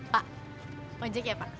pak mojek ya pak